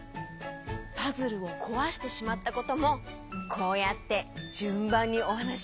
パズルをこわしてしまったこともこうやってじゅんばんにおはなしできる？